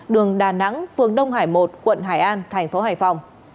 đường đà nẵng phường đông hải một quận hải an thành phố hải phòng